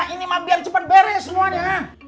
ini mah biar cepat beres semuanya